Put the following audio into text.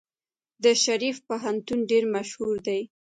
د شریف پوهنتون ډیر مشهور دی.